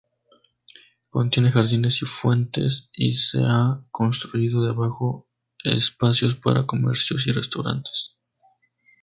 Contiene jardines y fuentes y se han construido debajo espacios para comercios y restaurantes.